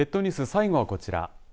最後はこちら。